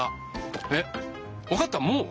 えっわかったもう？